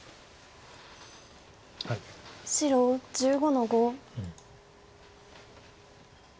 白１５の五。